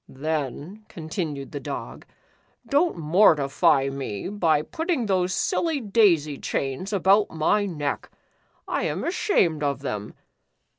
"Then," continued the Dog, "don't mortify me by putting those silly daisy chains about my neck. I am ashamed of them.